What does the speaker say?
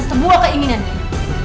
semua keinginan dia